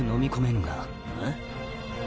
ん？